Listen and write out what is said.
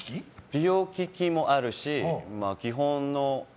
美容機器もあるし基本の。